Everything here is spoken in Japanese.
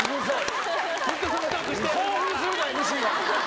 興奮するな、ＭＣが！